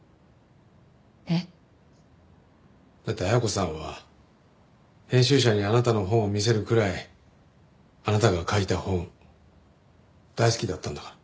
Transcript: えっ？だって恵子さんは編集者にあなたの本を見せるくらいあなたが書いた本大好きだったんだから。